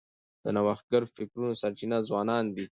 د نوښتګر فکرونو سرچینه ځوانان دي.